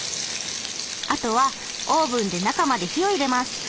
あとはオーブンで中まで火を入れます。